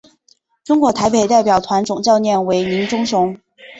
中华台北代表团的总教练为林忠雄。